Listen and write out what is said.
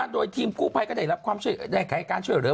โดยทีมกู้ภัยก็ได้รับความช่วยได้ไขการช่วยเหลือ